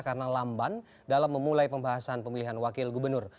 karena lamban dalam memulai pembahasan pemilihan wakil gubernur